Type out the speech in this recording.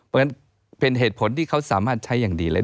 เพราะฉะนั้นเป็นเหตุผลที่เขาสามารถใช้อย่างดีเลย